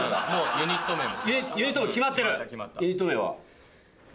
ユニット名は？